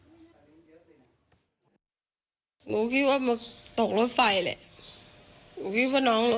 ตกลงไปจากรถไฟได้ยังไงสอบถามแล้วแต่ลูกชายก็ยังเล็กมากอะ